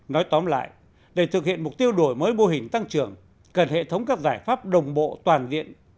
nói tóm lại để thực hiện mục tiêu đổi mới mô hình tăng trưởng cần hệ thống các giải pháp đồng bộ toàn diện